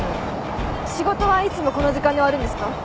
仕事はいつもこの時間に終わるんですか？